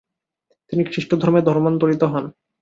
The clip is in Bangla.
তিনি খ্রিস্টধর্মে ধর্মান্তরিত হন।